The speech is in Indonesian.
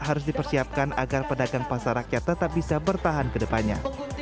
harus dipersiapkan agar pedagang pasar rakyat tetap bisa bertahan kedepannya